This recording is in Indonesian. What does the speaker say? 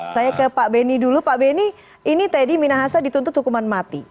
saya ke pak beni dulu pak beni ini teddy minahasa dituntut hukuman mati